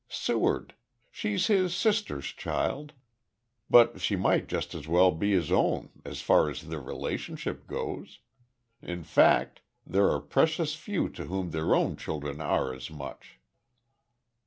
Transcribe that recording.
"Seward. She's his sister's child. But she might just as well be his own as far as their relationship goes. In fact there are precious few to whom their own children are as much."